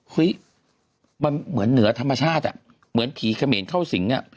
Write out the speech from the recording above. เฮ้ยมันเหมือนเหนือธรรมชาติอ่ะเหมือนผีเขมรเข้าสิงอ่ะ